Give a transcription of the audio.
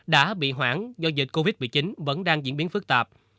đã bị hoãn do dịch covid một mươi chín vẫn đang diễn biến phức tạp